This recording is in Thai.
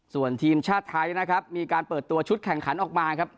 ส่วนทีมชาติไทยนะครับมีการเปิดตัวชุดแข่งขันออกมาครับ